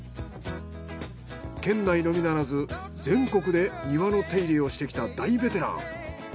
県内のみならず全国で庭の手入れをしてきた大ベテラン。